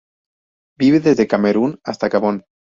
Viven desde Camerún hasta Gabón.